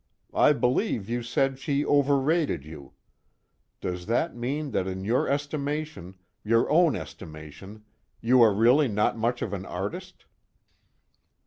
I believe you said she overrated you. Does that mean that in your estimation, your own estimation, you are really not much of an artist?"